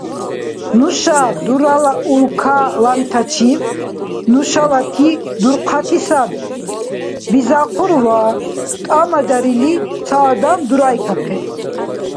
«Нушаб дурала улкалантачиб нушалати дурхъати саби», — бизахъур ва, тӏамадарили, ца адам дурайкахъиб.